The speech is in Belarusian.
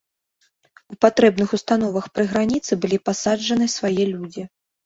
У патрэбных установах пры граніцы былі пасаджаны свае людзі.